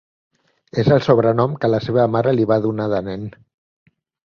És el sobrenom que la seva mare li va donar de nen.